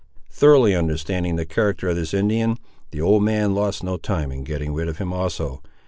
Thoroughly understanding the character of this Indian, the old man lost no time in getting rid of him also.